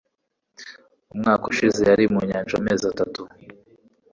Umwaka ushize, yari mu nyanja amezi atatu.